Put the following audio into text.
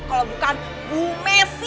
kalo bukan bu messi